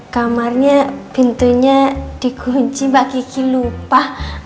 kamarnya pintunya dikunci mbak kiki lupa